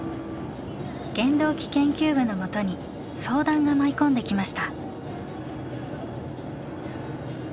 原動機研究部のもとに相談が舞い込んできました。